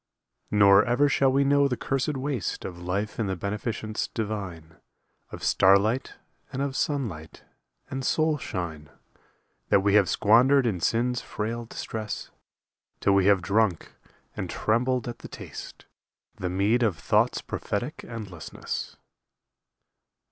Nor ever shall we know the cursed waste Of life in the beneficence divine Of starlight and of sunlight and soul shine That we have squandered in sin's frail distress, Till we have drunk, and trembled at the taste, The mead of Thought's prophetic endlessness.